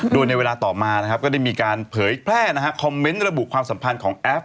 โดยในเวลาต่อมานะครับก็ได้มีการเผยแพร่คอมเมนต์ระบุความสัมพันธ์ของแอฟ